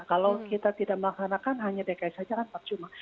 kalau kita tidak melaksanakan hanya dki saja kan percuma